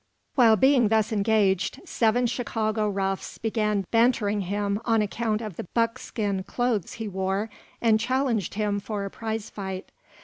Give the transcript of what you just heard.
While being thus engaged seven Chicago roughs began bantering him on account of the buckskin clothes he wore and challenged him for a prize fight.